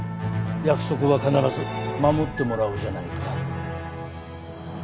約束は必ず守ってもらおうじゃないか。